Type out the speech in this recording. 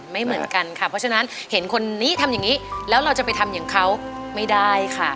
ไม่เหมือนกันค่ะเพราะฉะนั้นเห็นคนนี้ทำอย่างนี้แล้วเราจะไปทำอย่างเขาไม่ได้ค่ะ